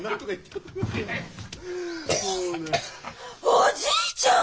・おじいちゃん！